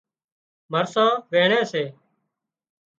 مرسان وينڻي سي